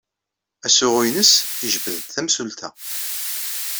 Asuɣu-nnes yejbed-d tamsulta.